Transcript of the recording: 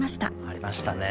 ありましたね。